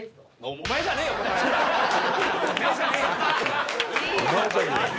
「お前じゃねえよ」。